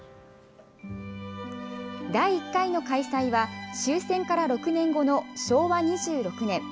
第１回の開催は、終戦から６年後の昭和２６年。